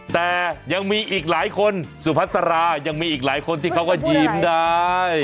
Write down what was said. แต่ยังมีอีกหลายคนสวัสดีครับสวัสดีครับยังมีอีกหลายคนที่เขาก็ยิ้มได้